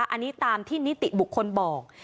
อันนี้ตามที่นิติบุคคลบอก